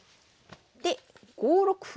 で５六歩。